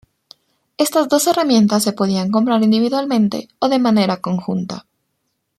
Estas dos herramientas se podían comprar individualmente o de manera conjunta.